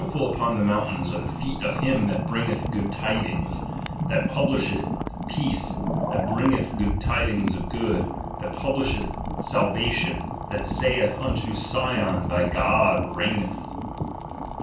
7 : How heautful upon the mountains are the feet of hijn that hringeth good tidings, that publisheth peace, that bringeth good tidings of good, that publisheth salvation, thatsaith unto Sion, thy God reigneth